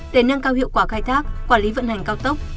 để nâng cao hiệu quả khai thác quản lý vận hành cao tốc